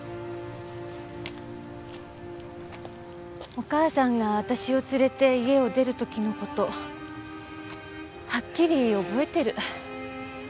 お母さんが私を連れて家を出る時の事はっきり覚えてる。